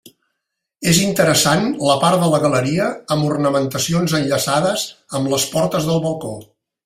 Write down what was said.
És interessant la part de la galeria amb ornamentacions enllaçades amb les portes del balcó.